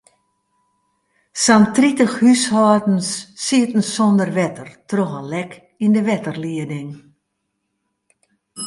Sa'n tritich húshâldens sieten sonder wetter troch in lek yn de wetterlieding.